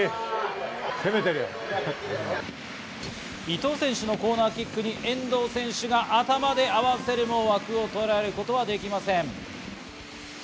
伊東選手のコーナーキックに遠藤選手が頭で合わせるも枠をとらえることはできません。